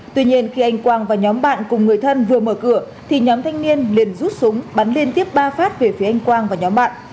tuy nhiên khi anh quang và nhóm bạn cùng người thân vừa mở cửa thì nhóm thanh niên liền rút súng bắn liên tiếp ba phát về phía anh quang và nhóm bạn